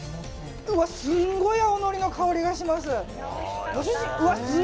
うわ、すごい青のりの香りがします。